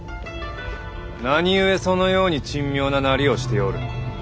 何故そのように珍妙ななりをしておる。